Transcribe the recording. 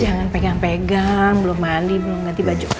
jangan pegang pegang belum mandi belum nanti baju itu gitu ya